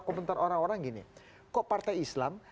komentar orang orang gini kok partai islam